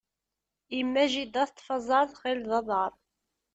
Imma jidda teṭṭef aẓaṛ, tɣil d aḍaṛ.